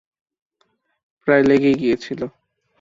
প্রায় লেগেই গিয়েছিল।